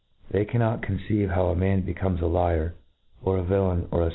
They cannot conceive how a man becomes a liar, or a villain, or a.